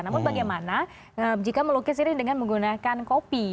namun bagaimana jika melukis ini dengan menggunakan kopi